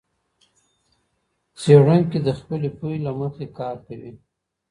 څېړونکی د خپلي پوهي له مخې کار کوي.